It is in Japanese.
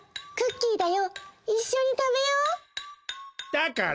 だから！